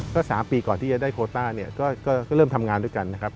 ก็๓ปีก่อนที่จะได้โคต้าเนี่ยก็เริ่มทำงานด้วยกันนะครับ